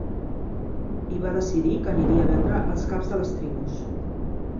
I va decidir que aniria a veure els caps de les tribus.